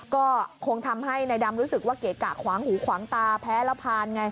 ก็คงทำให้นายดำรู้สึกว่าเกะกะขวางหูขวางตาแพ้แล้วผ่านไง